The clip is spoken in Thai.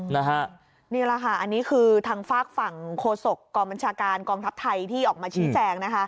นี่แหละค่ะอันนี้คือทางฝากฝั่งโฆษกองบัญชาการกองทัพไทยที่ออกมาชี้แจงนะคะ